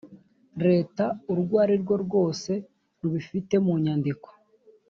leta urwo ari rwo rwose rubifite munyandiko